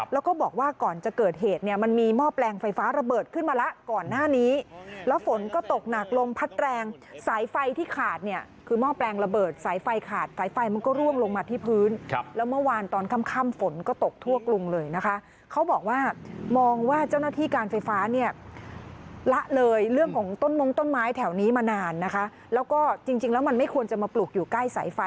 แล้วก็บอกว่าก่อนจะเกิดเหตุเนี่ยมันมีหม้อแปลงไฟฟ้าระเบิดขึ้นมาละก่อนหน้านี้แล้วฝนก็ตกหนักลงพัดแรงสายไฟที่ขาดเนี่ยคือหม้อแปลงระเบิดสายไฟขาดสายไฟมันก็ร่วงลงมาที่พื้นแล้วเมื่อวานตอนค่ำฝนก็ตกทั่วกรุงเลยนะคะเขาบอกว่ามองว่าเจ้าหน้าที่การไฟฟ้าเนี่ยละเลยเรื่องของต้นมงต้